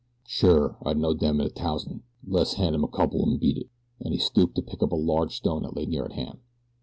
"Sure, I'd know dem in a t'ous'n'. Le's hand 'em a couple an' beat it," and he stooped to pick up a large stone that lay near at hand.